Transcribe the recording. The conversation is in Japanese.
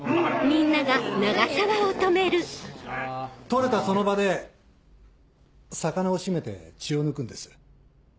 取れたその場で魚を締めて血を抜くんです。